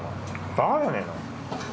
バカじゃねえの？